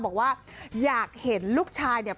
บอกว่าอยากเห็นลูกชายเนี่ย